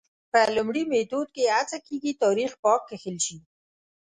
په لومړي میتود کې هڅه کېږي تاریخ پاک کښل شي.